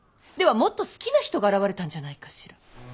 ではもっと好きな人が現れたんじゃないかしら。